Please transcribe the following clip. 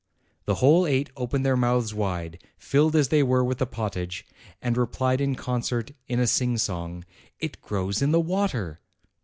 The whole eight opened their mouths wide, filled as they were with the pottage, and replied in concert, in a sing song, "It grows in the water."